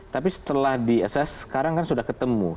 tapi setelah di ss sekarang kan sudah ketemu sejumlah dpr ri